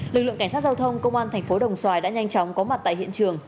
lực lượng cảnh sát giao thông công an thành phố đồng xoài đã nhanh chóng có mặt tại hiện trường